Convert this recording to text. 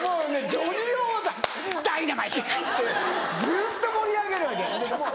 ずっと盛り上げるわけ。